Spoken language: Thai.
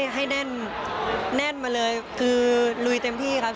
ให้แน่นแน่นมาเลยคือลุยเต็มที่ครับ